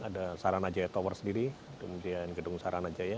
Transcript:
ada saranajaya tower sendiri kemudian gedung saranajaya